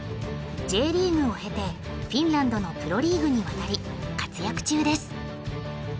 Ｊリーグを経てフィンランドのプロリーグに渡り活躍中です。